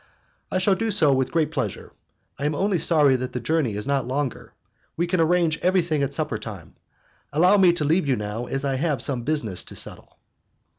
"I shall do so with great pleasure; I am only sorry that the journey is not longer. We can arrange everything at supper time; allow me to leave you now as I have some business to settle."